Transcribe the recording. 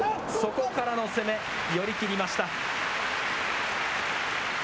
そこからの攻め、寄り切りました。